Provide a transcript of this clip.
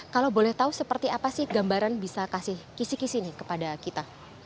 kalau boleh tahu seperti apa sih gambaran bisa kasih kisi kisih nih kepada kita